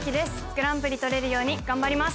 グランプリ取れるように頑張ります